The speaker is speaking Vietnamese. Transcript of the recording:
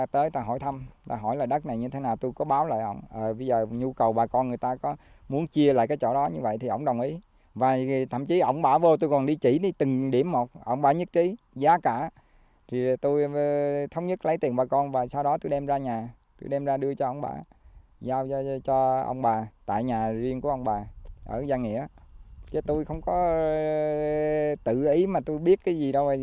tại nhà riêng của ông bà ở giang nghĩa chứ tôi không có tự ý mà tôi biết cái gì đâu